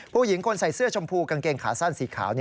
ผู้หญิงคนใส่เสื้อชมพูกางเกงขาสั้นสีขาว